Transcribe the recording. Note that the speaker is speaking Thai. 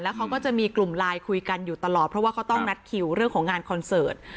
เขาก็จะมีกลุ่มไลน์คุยกันอยู่ตลอดเพราะว่าเขาต้องนัดคิวเรื่องของงานคอนเสิร์ต